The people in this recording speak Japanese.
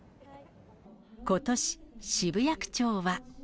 ことし、渋谷区長は。